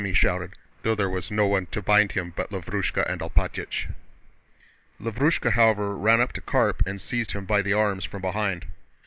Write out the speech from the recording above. he shouted, though there was no one to bind him but Lavrúshka and Alpátych. Lavrúshka, however, ran up to Karp and seized him by the arms from behind.